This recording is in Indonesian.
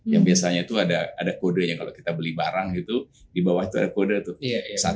yang biasanya itu ada kodenya kalau kita beli barang gitu di bawah itu ada kode tuh